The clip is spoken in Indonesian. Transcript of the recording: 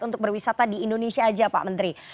untuk berwisata di indonesia saja pak menteri